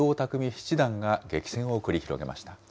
七段が激戦を繰り広げました。